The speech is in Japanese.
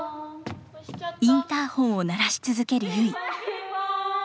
インターホンを鳴らし続けるゆい。